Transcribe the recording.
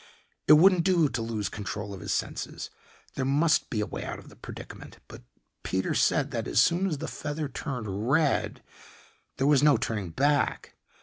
It wouldn't do to lose control of his senses. There must be a way out of the predicament. But Peter said that as soon as the feather turned red there was no turning back.